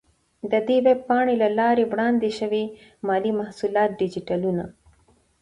د دې ویب پاڼې له لارې وړاندې شوي مالي محصولات ډیجیټلونه،